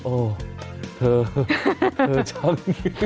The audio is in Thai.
เธอช่างนี้